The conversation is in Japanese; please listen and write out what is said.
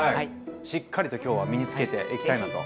しっかりと今日は身につけていきたいなと思います。